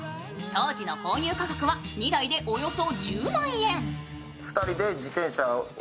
当時の購入価格は２台でおよそ１０万円。